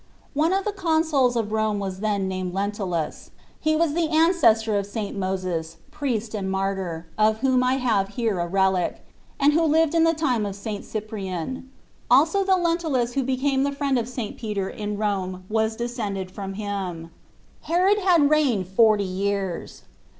One of the Consuls of Rome was then named Lentutus : he was the ancestor of St. Moses, priest and martyr, of whom I have here a relic, and who lived in the time of St. Cyprien. Also the Lentutus who became the friend of St. Peter in (SHir Xor& Jesus Cbrtst. 95 Rome was descended from him. Herod had reigned forty years.